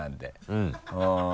うん。